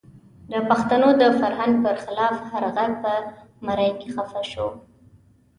د پښتنو د فرهنګ پر خلاف هر غږ په مرۍ کې خفه شو.